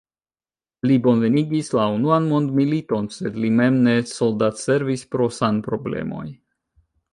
Li bonvenigis la unuan mondmiliton, sed li mem ne soldatservis pro sanproblemoj.